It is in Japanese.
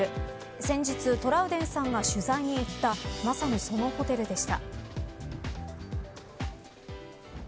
先日、トラウデンさんが取材に行ったまさに、そのホテルでした。